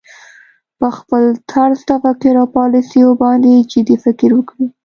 په خپل طرز تفکر او پالیسیو باندې جدي فکر وکړي